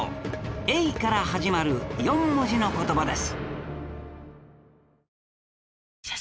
「永」から始まる４文字の言葉です